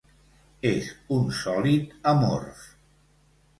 És un sòlid amorf.